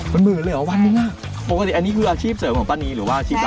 เป็นหมื่นเลยเหรอวันหนึ่งอ่ะปกติอันนี้คืออาชีพเสริมของป้านีหรือว่าอาชีพป